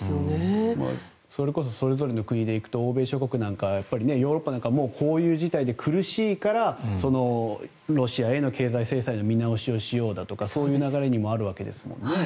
それぞれの国でいくと欧米諸国なんかはヨーロッパなどもこういう事態で苦しいからロシアへの経済制裁の見直しをしようだとかそういう流れにもあるわけですもんね。